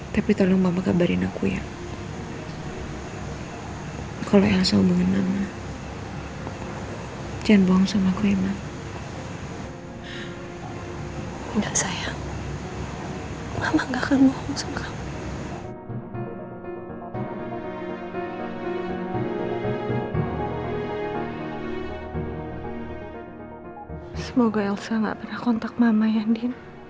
semoga elsa nggak pernah kontak mama yandin